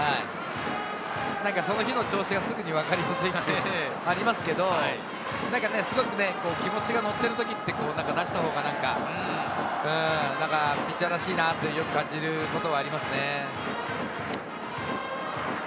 その日の調子がすぐにわかりやすいのでというのがありますけど、なんかすごく気持ちが乗ってる時って出したほうが、なんかピッチャーらしいなというふうに感じることが多いですね。